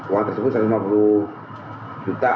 uang tersebut satu ratus lima puluh juta